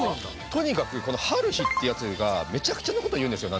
とにかくこのハルヒっていうやつがめちゃくちゃなことを言うんですよ